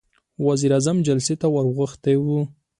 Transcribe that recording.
وزير اعظم جلسې ته ور غوښتی و.